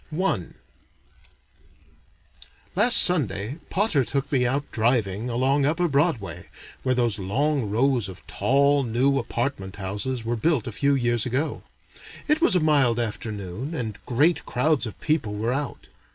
I Last Sunday, Potter took me out driving along upper Broadway, where those long rows of tall new apartment houses were built a few years ago. It was a mild afternoon and great crowds of people were out.